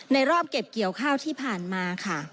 รอบเก็บเกี่ยวข้าวที่ผ่านมาค่ะ